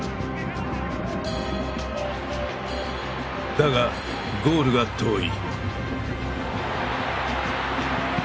だがゴールが遠い。